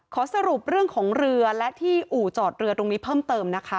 ขอสรุปเรื่องของเรือและที่อู่จอดเรือตรงนี้เพิ่มเติมนะคะ